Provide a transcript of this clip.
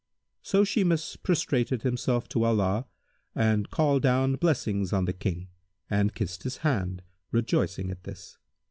So Shimas prostrated himself to Allah and called down blessings on the King and kissed his hand, rejoicing at this.